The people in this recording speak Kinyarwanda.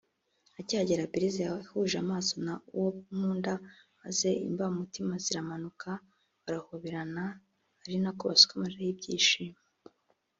Akihagera Belise yahuje amaso na Uwonkunda maze imbamutima zirazamuka barahoberana ari nako basuka amarira y’ibyishimo